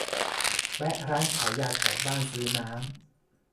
แวะร้านขายยาแถวบ้านซื้อน้ำ